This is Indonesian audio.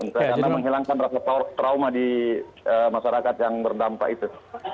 untuk anak anak menghilangkan rasa trauma di masyarakat yang berdampak itu